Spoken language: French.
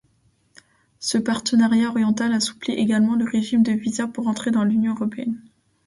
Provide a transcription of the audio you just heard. Ce partenariat oriental assouplit également le régime de visa pour entrer dans l'Union européenne.